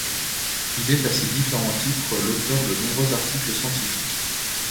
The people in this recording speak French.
Il est à ces différents titres l'auteur de nombreux articles scientifiques.